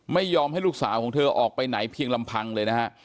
ไม่ยอมให้ลูกสาวของเธอออกไปไหนเพียงลำพังเลยนะฮะ